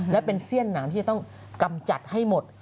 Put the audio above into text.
และเป็นเสี้ยนหนามที่จะต้องกำจัดให้หมด